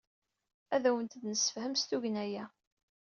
Ad awent-d-nessefhem s tugna-a.